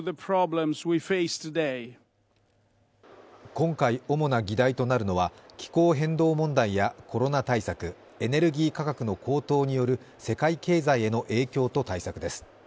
今回、主な議題となるのは気候変動問題やコロナ対策エネルギー価格の高騰による世界経済への影響と対策です。